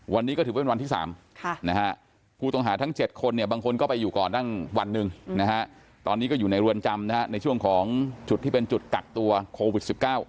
วันนี้ก็ถือเป็นวันที่๓ผู้ต้องหาทั้ง๗คนเนี่ยบางคนก็ไปอยู่ก่อนตั้งวันหนึ่งนะฮะตอนนี้ก็อยู่ในเรือนจำนะฮะในช่วงของจุดที่เป็นจุดกักตัวโควิด๑๙